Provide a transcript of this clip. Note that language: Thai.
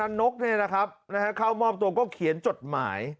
นอกจากนี้กำนันนกฮเนี่ยนะฮะเข้ามอบตรงก็เขียนจดหมาย